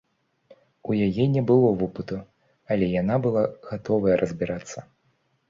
У яе не было вопыту, але яна была гатовая разбірацца.